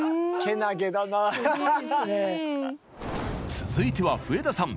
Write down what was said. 続いては笛田さん。